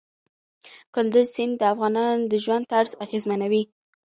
کندز سیند د افغانانو د ژوند طرز اغېزمنوي.